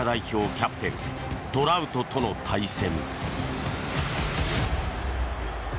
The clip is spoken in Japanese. キャプテントラウトとの対戦。